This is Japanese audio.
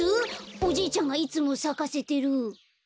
おじいちゃんがいつもさかせてる。